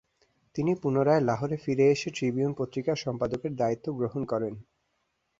তিনি পুনরায় লাহোরে ফিরে এসে ট্রিবিউন পত্রিকার সম্পাদকের দায়িত্ব গ্রহণ করেন।